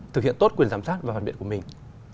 thực hiện tốt quyền giám sát và hoàn biện của mình